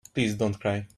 Please don't cry.